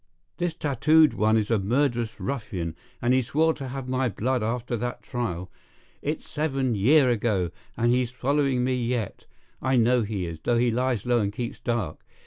This tattooed one is a murderous ruffian, and he swore to have my blood after that trial. It's seven year ago, and he's following me yet; I know he is, though he lies low and keeps dark.